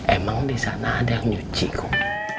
emang di sana ada yang uci kum